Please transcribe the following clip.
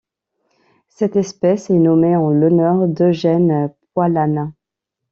Cette espèce est nommée en l'honneur d'Eugène Poilane.